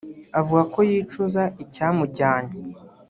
Avuga ko yicuza icyamujyanye